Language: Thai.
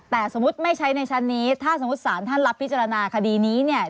แต่สมมุติไม่ใช้ในชั้นนี้ถ้าสมมุติสารท่านรับพิจารณาคดีนี้เนี่ย